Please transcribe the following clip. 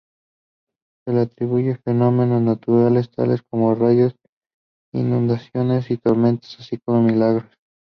Se le atribuyen fenómenos naturales tales como rayos, inundaciones y tormentas, así como milagros.